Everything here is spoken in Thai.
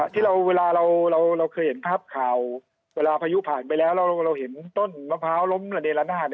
ที่เวลาเราเคยเห็นภาพข่าวเวลาพายุผ่านไปแล้วเราเห็นต้นมะพร้าวล้มในร้านหน้าหาด